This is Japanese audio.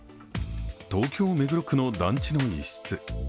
東京・目黒区の団地の一室。